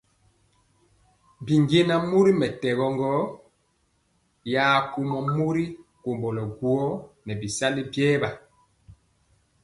Binjɛnaŋ mori mɛtɛgɔ gɔ ya kumɔ mori komblo guó nɛ bisani biewa.